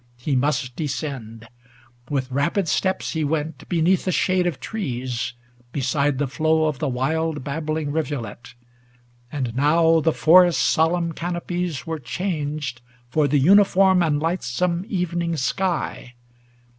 He must descend. With rapid steps he went Beneath the shade of trees, beside the flow Of the wild babbling rivulet ; and now The forest's solemn canopies were changed For the uniform and lightsome evening sky.